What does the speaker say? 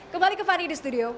kembali ke fani di studio